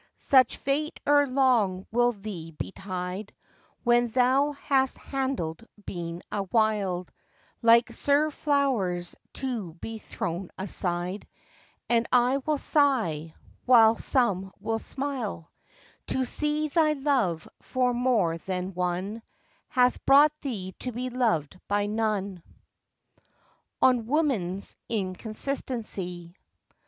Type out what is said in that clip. Such fate ere long will thee betide, When thou hast handled been a while; Like sere flowers to be thrown aside; And I will sigh, while some will smile, To see thy love for more than one Hath brought thee to be loved by none. Sir Robert Aytoun. ON WOMAN'S INCONSTANCY.